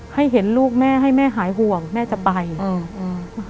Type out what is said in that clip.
ให้เห็นลูกแม่ให้แม่หายห่วงแม่จะไปอืมอืม